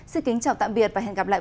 xin kính chào tạm biệt và hẹn gặp lại